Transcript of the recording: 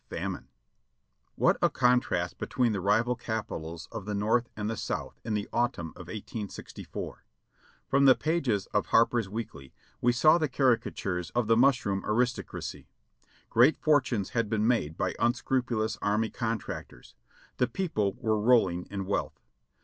FAMINE. What a contrast between the rival Capitals of the North and the South in the autumn of 1864. From the pages of Harper's Weekly we saw the caricatures of the mushroom aristocracy. Great fortunes had been made by unscru pulous army contractors ; the people were rolling in wealth.